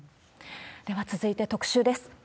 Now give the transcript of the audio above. では続いて特集です。